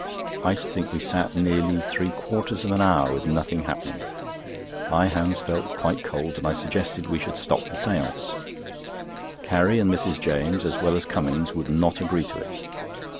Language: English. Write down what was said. I should think we sat nearly three quarters of an hour with nothing happening. My hands felt quite cold, and I suggested we should stop the séance. Carrie and Mrs. James, as well as Cummings, would not agree to it.